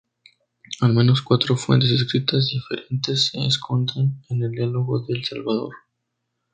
Al menos cuatro fuentes escritas diferentes se esconden en el Diálogo del Salvador.